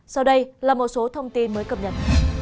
sau đây là một số thông tin mới cập nhật